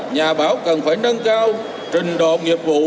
nhà báo cần phải nâng cao trình độ nghiệp vụ